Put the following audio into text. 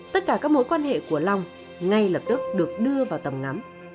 tất cả các mối quan hệ của long ngay lập tức được đưa vào tầm ngắm